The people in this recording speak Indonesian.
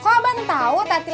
eh kok abang tau tadi lagi smsan